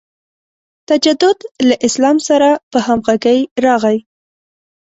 تجدد له اسلام سره په همغږۍ راغی.